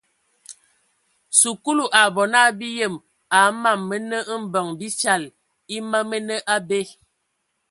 Sikulu a bɔ na bi yem a mam mənə mbəŋ bi fyal e ma mənə abe.